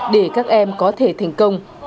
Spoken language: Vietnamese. để các em có thể thành công